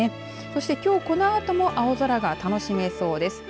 そしてきょうこのあとも青空が楽しめそうです。